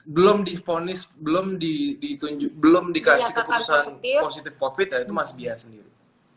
belum di ponis belum dikasih keputusan positif covid ya itu masih biar sendiri